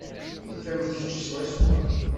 Nekk am kečč swaswa.